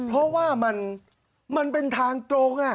เพราะว่ามันเป็นทางตรง